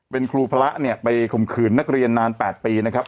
เป็นครูพระเนี่ยไปข่มขืนนักเรียนนาน๘ปีนะครับ